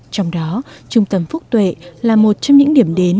trong đó trung tâm phúc tuệ là một trong những điểm đến